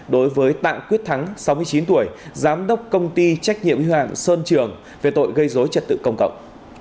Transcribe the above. đối với tạng quyết thắng sáu mươi chín tuổi giám đốc công ty trách nhiệm hữu hạn sơn trường về tội gây dối trật tự công cộng